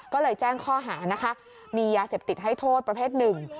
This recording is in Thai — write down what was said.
ก็เลยแจ้งข้อหานะคะมียาเสพติดให้โทษประเภทหนึ่ง